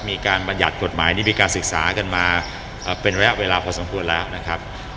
บรรยัติกฎหมายนี่มีการศึกษากันมาเป็นระยะเวลาพอสมควรแล้วนะครับ